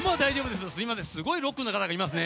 すごいロックな方がいますね。